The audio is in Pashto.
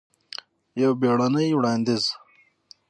یو بیړنې وړاندیز!